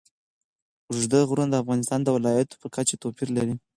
اوږده غرونه د افغانستان د ولایاتو په کچه توپیر لري.